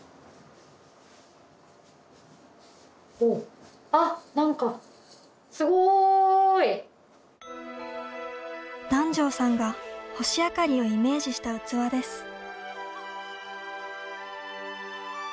おっあっ何かすごい！檀上さんが「星あかり」をイメージした器です。